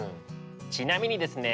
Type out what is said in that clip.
ちなみにですね